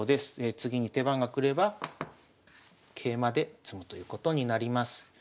次に手番が来れば桂馬で詰むということになります。